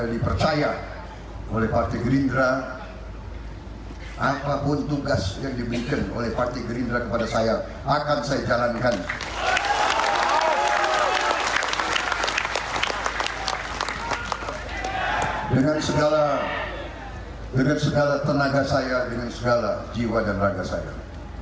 dengan segala tenaga saya dengan segala jiwa dan raga saya